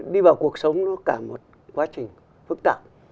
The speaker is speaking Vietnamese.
đi vào cuộc sống nó cả một quá trình phức tạp